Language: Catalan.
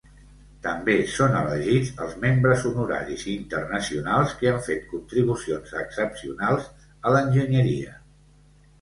També són elegits els membres honoraris i internacionals que han fet contribucions excepcionals a l'enginyeria.